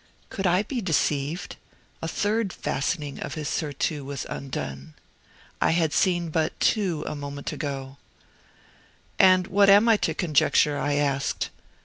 Could I be deceived? A third fastening of his surtout was undone! I had seen but two a moment ago. "And what am I to conjecture?" I asked.